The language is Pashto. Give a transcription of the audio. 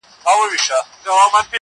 يو بيده بل بيده نه سي ويښولاى.